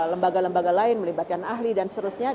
lembaga lembaga lain melibatkan ahli dan seterusnya